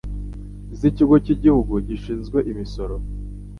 z'ikigo cy'igihugu gishinzwe imisoro